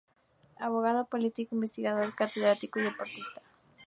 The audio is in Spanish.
Abogado, político, investigador, catedrático y deportista.